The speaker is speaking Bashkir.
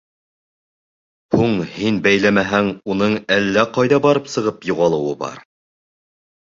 — Һуң һин бәйләмәһәң, уның әллә ҡайҙа барып сығып юғалыуы бар.